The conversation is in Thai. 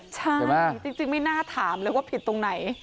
ใช่จริงไม่น่าถามเลยว่าผิดตรงไหน